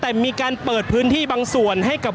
ก็น่าจะมีการเปิดทางให้รถพยาบาลเคลื่อนต่อไปนะครับ